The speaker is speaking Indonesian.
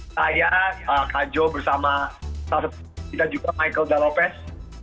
saya kak jo bersama salah satu kita juga michael daropes